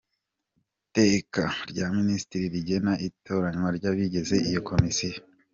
Iteka rya Minisitiri rigena itoranywa ry’abagize iyo komisiyo.